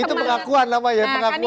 itu pengakuan namanya